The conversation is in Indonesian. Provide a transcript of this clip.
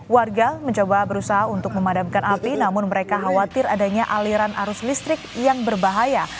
warga mencoba berusaha untuk memadamkan api namun mereka khawatir adanya aliran arus listrik yang berbahaya